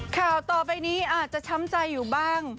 ข่าวต่อไปนี้อาจจะช้ำใจอยู่บ้าง